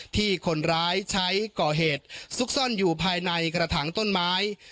ที่คนร้ายใช้ก่อเหตุซุกซ่อนอยู่ภายในกระถางต้นไม้